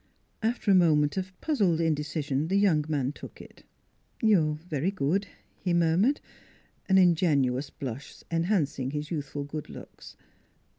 After a moment of puzzled inde cision the young man took it. " You are very good," he murmured, an ingenuous blush enhancing his youthful good looks.